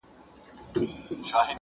o ستا سومه، چي ستا سومه، چي ستا سومه.